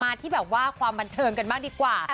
ที่แบบว่าความบันเทิงกันบ้างดีกว่า